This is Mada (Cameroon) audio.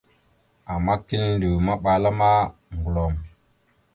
Ama kiləndew maɓala ma, ŋgəlom.